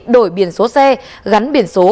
đổi biển số xe gắn biển số